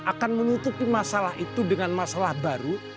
akan menutupi masalah itu dengan masalah baru